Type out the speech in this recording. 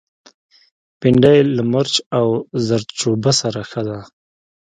بېنډۍ له مرچ او زردچوبه سره ښه ده